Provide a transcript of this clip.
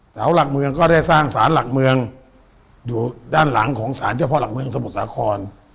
เสาหลักเมืองก็ได้สร้างสารหลักเมืองอยู่ด้านหลังของสารเจ้าพ่อหลักเมืองสมุทรสาคร